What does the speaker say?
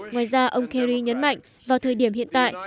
ngoài ra ông kerry nhấn mạnh vào thời điểm hiện tại